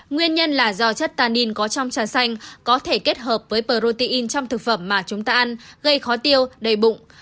nguyên nhân là do chất tanin có trong trà xanh có thể kết hợp với protein trong thực phẩm mà chúng ta ăn gây khó tiêu đầy bụng